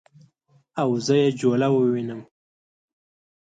او زه یې جوله ووینم